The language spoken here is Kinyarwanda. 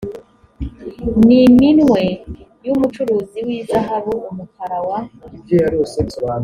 n iminwe y umucuzi w izahabu umukara wa